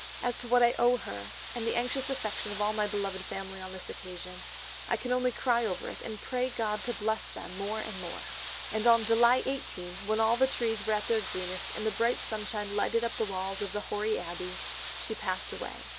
As to what I owe her, and the anxious affection of all my beloved family on this occasion, I can only cry over it, and pray God to bless them more and more." And on July 18, when all the trees were at their greenest, and the bright sunshine lighted up the walls of the hoary abbey, she passed away.